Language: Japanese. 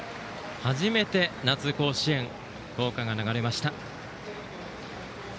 初めて夏の甲子園で校歌が流れました。